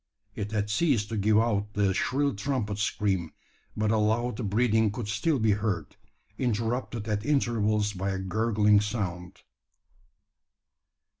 It had ceased to give out the shrill trumpet scream; but a loud breathing could still be heard, interrupted at intervals by a gurgling sound.